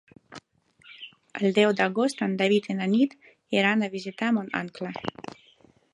El deu d'agost en David i na Nit iran a visitar mon oncle.